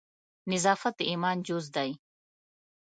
نظافت د ایمان جزء دی.